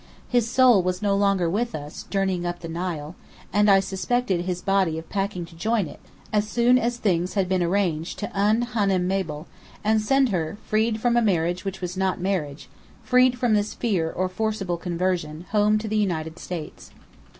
His soul was no longer with us, journeying up the Nile; and I suspected his body of packing to join it, as soon as things had been arranged to un Hânem Mabel, and send her, freed from a marriage which was not marriage, freed from this fear or forcible conversion, home to the United States.